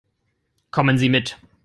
Kommen Sie mit.